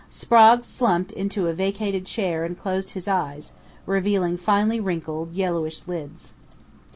Sprague slumped into a vacated chair and closed his eyes, revealing finely wrinkled, yellowish lids.